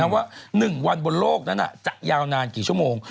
ว่า๑วันบนโลกนั้นจะยาวนานกี่ชั่วโมง